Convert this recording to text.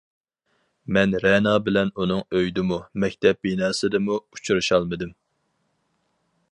مەن رەنا بىلەن ئۇنىڭ ئۆيىدىمۇ، مەكتەپ بىناسىدىمۇ ئۇچرىشالمىدىم.